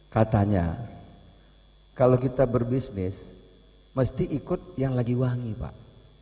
katanya kalau kita berbisnis mesti ikut yang lagi wangi pak